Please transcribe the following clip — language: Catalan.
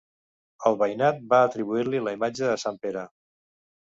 El veïnat va atribuir-li la imatge a Sant Pere.